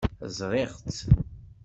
Ẓriɣ-tt.